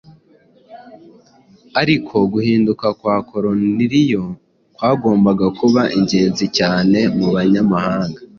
ariko guhinduka kwa Koruneliyo kwagombaga kuba ingenzi cyane mu banyamahanga.